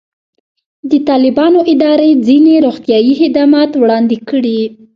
د طالبانو ادارې ځینې روغتیایي خدمات وړاندې کړي.